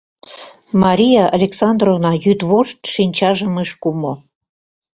Мария Александровна йӱдвошт шинчажым ыш кумо.